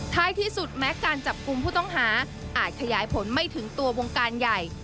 ท้ายที่สุดแม้การจับกลุ่มผู้ต้องหาอาจขยายผลไม่ถึงตัววงการใหญ่